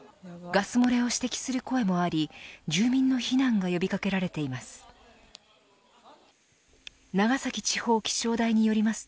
ガス漏れを指摘する声もあり住民の避難が呼び掛けられています。